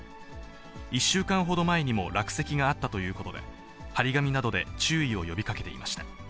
１週間ほど前にも落石があったということで、貼り紙などで注意を呼びかけていました。